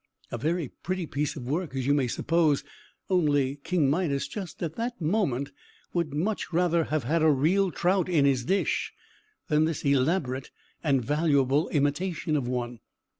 A very pretty piece of work, as you may suppose; only King Midas, just at that moment, would much rather have had a real trout in his dish than this elaborate and valuable imitation of one.